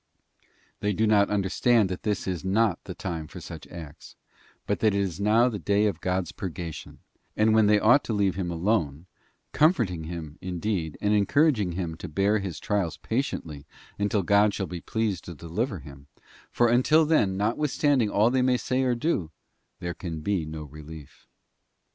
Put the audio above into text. They do not understand that this is not the time for such acts, but that it is now the day of * Gen. xi. 7, 8. t Job iv. 6 THE ASCENT OF MOUNT CARMEL. protocus. God's purgation; and when they ought to leave him alone, 5. Abuse of grace. comforting him, indeed, and encouraging him to bear his trials patiently until God shall be pleased to deliver him; for until then, notwithstanding all they may say or do, there can be no relief.